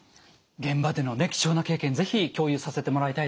現場での貴重な経験是非共有させてもらいたいですね。